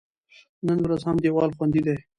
نن ورځ هم دیوال خوندي دی.